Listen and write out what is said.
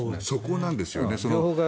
そこなんですよね。